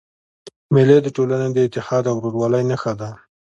مېلې د ټولني د اتحاد او ورورولۍ نخښه ده.